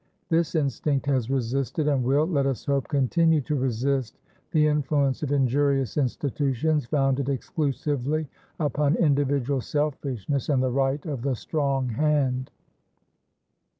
This instinct has resisted, and will, let us hope, continue to resist, the influence of injurious institutions founded exclusively upon individual selfishness and the right of the strong hand.